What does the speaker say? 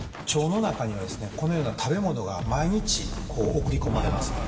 腸の中にはですねこのような食べ物が毎日こう送り込まれます。